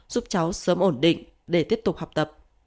giúp cháu sớm ổn định để tiếp tục học tập